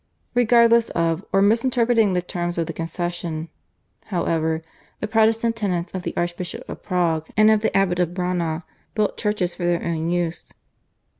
Regardless of or misinterpreting the terms of the concession, however, the Protestant tenants of the Archbishop of Prague and of the Abbot of Braunau built churches for their own use.